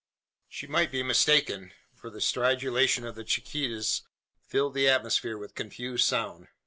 She might be mistaken; for the stridulation of the cicadas filled the atmosphere with confused sound.